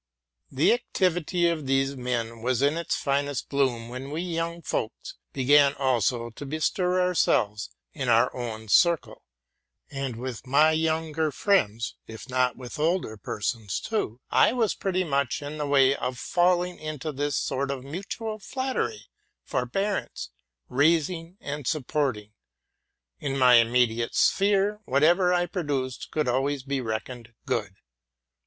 The activity of these men was in its finest bloom, when we RELATING TO MY LIFE. 13 young folks also began to stir in our own circle; and with my younger friends, 'if not with older persons too, I was pretty much in the way of falling into this sort of mutual flattery, forbearance, raising and supporting. In my immediate sphere, whatever I produced could always be reckoned good.